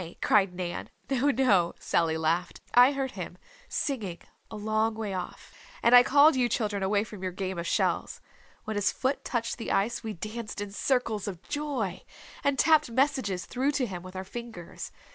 cried Nan. "No, no," Sallv laughed. "I heard him, singing, a long way off. And I called you children away from your game of shells. When his foot touched the ice we danced in circles of joy, and tapped messages through to him with our fingers.